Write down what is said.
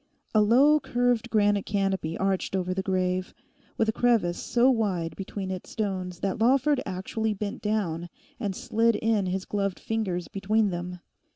A low curved granite canopy arched over the grave, with a crevice so wide between its stones that Lawford actually bent down and slid in his gloved fingers between them.